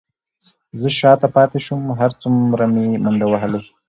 زه شاته پاتې شوم، هر څومره مې منډې وهلې،